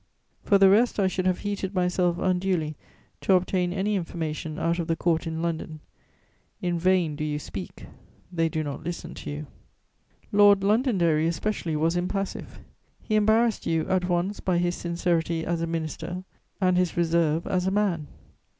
For the rest I should have heated myself unduly to obtain any information out of the Court in London: in vain do you speak, they do not listen to you. Lord Londonderry especially was impassive: he embarrassed you at once by his sincerity as a minister and his reserve as a man.